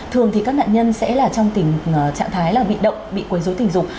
thường thì các nạn nhân sẽ là trong trạng thái bị động bị quấy dối tình dục